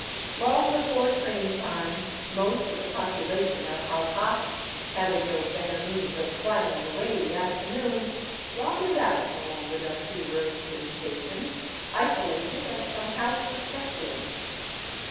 Long before train time most of the population of Jauja, having no better means of vvhiling away the afternoon, wandered out along the dusty road to the station, isolated as some house of pestilence.